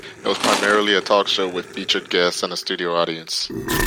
It was primarily a talk show with featured guests and a studio audience.